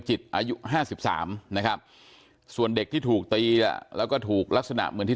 จิตอายุ๕๓นะครับส่วนเด็กที่ถูกตีแล้วก็ถูกลักษณะเหมือนที่